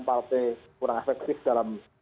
partai kurang efektif dalam